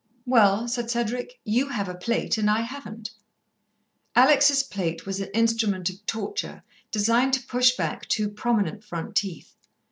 "Well," said Cedric. "You have a plate, and I haven't." Alex's plate was an instrument of torture designed to push back two prominent front teeth.